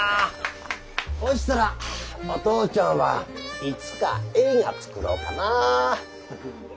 ほしたらお父ちゃんはいつか映画作ろうかな。